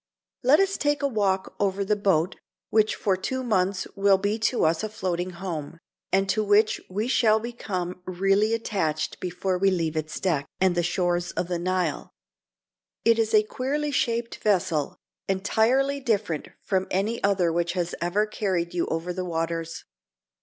Let us take a walk over the boat which for two months will be to us a floating home, and to which we shall become really attached before we leave its deck, and the shores of the Nile. It is a queerly shaped vessel, entirely different from any other which has ever carried you over the waters.